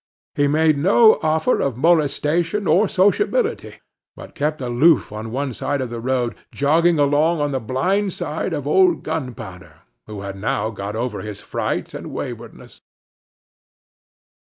He made no offer of molestation or sociability, but kept aloof on one side of the road, jogging along on the blind side of old Gunpowder, who had now got over his fright and waywardness.